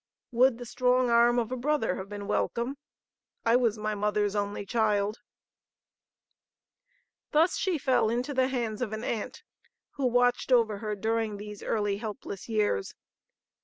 Would the strong arm of a brother have been welcome? I was my mother's only child." Thus she fell into the hands of an aunt, who watched over her during these early helpless years.